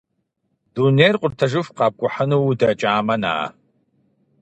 Дунейр къутэжыху къэпкӀухьыну удэкӀамэ, на!